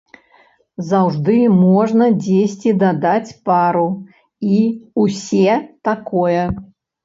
Заўжды можна дзесьці дадаць пару і ўсе такое.